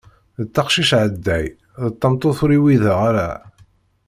D taqcict ɛeddaɣ, d tameṭṭut ur iwiḍeɣ ara.